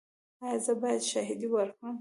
ایا زه باید شاهدي ورکړم؟